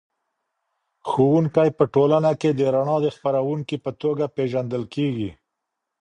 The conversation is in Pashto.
ښوونکی په ټولنه کې د رڼا د خپروونکي په توګه پېژندل کېږي.